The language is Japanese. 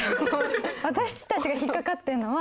私たちが引っかかってんのは。